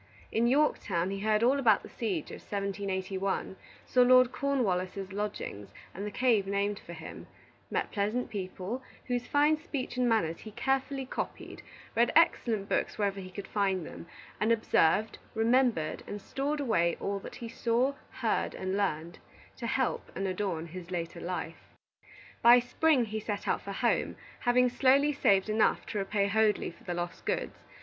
In Yorktown, he heard all about the siege of 1781; saw Lord Cornwallis's lodgings and the cave named for him; met pleasant people, whose fine speech and manners he carefully copied; read excellent books wherever he could find them, and observed, remembered, and stored away all that he saw, heard, and learned, to help and adorn his later life. By spring he set out for home, having slowly saved enough to repay Hoadley for the lost goods.